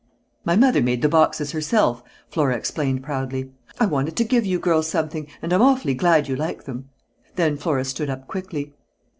"My mother made the boxes herself," Flora explained proudly. "I wanted to give you girls something, and I'm awfully glad you like them." Then Flora stood up quickly.